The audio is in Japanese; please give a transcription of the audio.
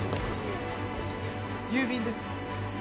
郵便です。